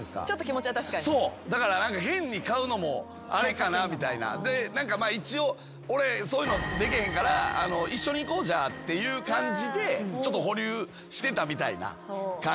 そうだから変に買うのもあれかなみたいなで何か一応俺そういうのできへんから一緒に行こうっていう感じでちょっと保留してたみたいな感じで。